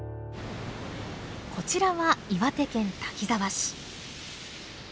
こちらは岩手県滝沢市。